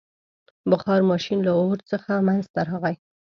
• بخار ماشین له اور څخه منځته راغی.